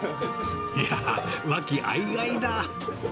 いやー、和気あいあいだ。